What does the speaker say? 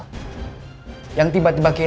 jadi yang terbaik di krisnohime